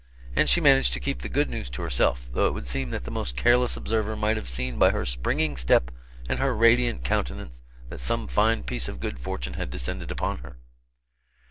And she managed to keep the good news to herself, though it would seem that the most careless observer might have seen by her springing step and her radiant countenance that some fine piece of good fortune had descended upon her.